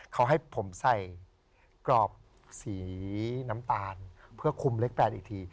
เขาให้ผมใส่กรอบสีน้ำตาลเพื่อคุมเล็กแบนอีกที